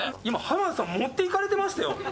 今浜田さん持っていかれてましたよ。